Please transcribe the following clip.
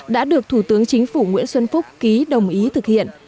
đã được thủ tướng chính phủ nguyễn xuân phúc ký đồng ý thực hiện